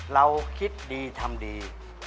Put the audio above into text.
เราคิดดีทำดี